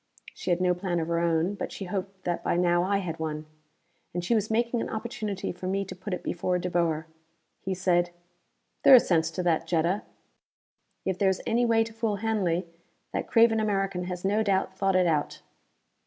She had no plan of her own, but she hoped that by now I had one! And she was making an opportunity for me to put it before De Boer. He said, "There is sense to that, Jetta. If there is any way to fool Hanley, that craven American has no doubt thought it out."